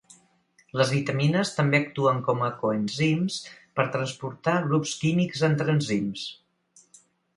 Les vitamines també actuen com a coenzims per transportar grups químics entre enzims.